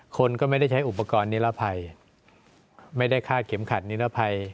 คนก็ไม่ได้ใช้อุปกรณ์นิรภัยไม่ได้คาดเข็มขัดนิรภัย